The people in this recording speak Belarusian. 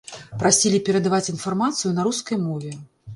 Прасілі перадаваць інфармацыю на рускай мове.